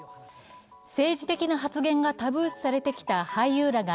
政治的な発言がタブー視されてきた俳優らが